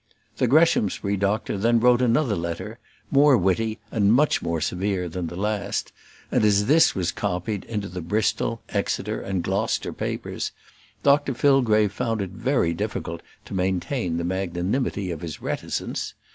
The Greshamsbury doctor then wrote another letter, more witty and much more severe than the last; and as this was copied into the Bristol, Exeter, and Gloucester papers, Dr Fillgrave found it very difficult to maintain the magnanimity of his reticence.